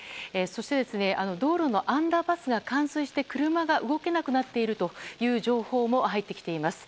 そして道路のアンダーパスが冠水して車が動けなくなっているという情報も入ってきています。